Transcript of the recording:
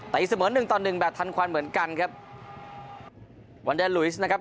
แต่อีกเสมอหนึ่งต่อหนึ่งแบบทันควันเหมือนกันครับวันแดลุยสนะครับ